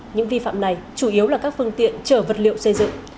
những vi phạm này chủ yếu là các phương tiện chở vật liệu xây dựng